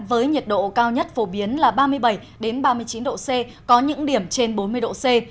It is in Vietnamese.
với nhiệt độ cao nhất phổ biến là ba mươi bảy ba mươi chín độ c có những điểm trên bốn mươi độ c